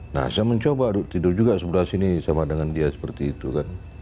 nah saya mencoba tidur juga sebelah sini sama dengan dia seperti itu kan